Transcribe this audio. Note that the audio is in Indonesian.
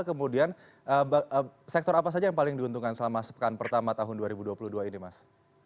kemudian sektor apa saja yang paling diuntungkan selama sepekan pertama tahun dua ribu dua puluh dua ini mas